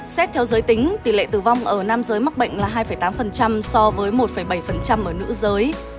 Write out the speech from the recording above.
xét theo giới tính tỷ lệ tử vong ở nam giới mắc bệnh là hai tám so với một bảy ở nữ giới